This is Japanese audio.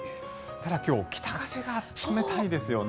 ただ、今日北風が冷たいですよね。